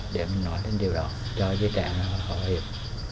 để mình nói đến điều đó cho giới trạng họ hiểu